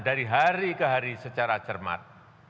dari hari ke hari secara cermat